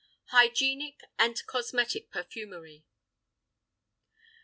HYGIENIC AND COSMETIC PERFUMERY.